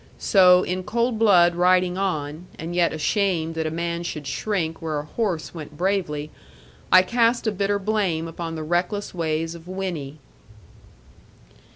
So, in cold blood riding on, and yet ashamed that a man should shrink where a horse went bravely, I cast a bitter blame upon the reckless ways of Winnie.